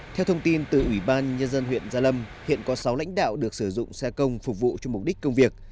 theo thông tin từ ủy ban nhân dân huyện gia lâm hiện có sáu lãnh đạo được sử dụng xe công phục vụ cho mục đích công việc